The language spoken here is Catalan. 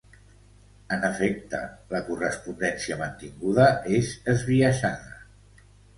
En efecte, la correspondència mantinguda és esbiaixada.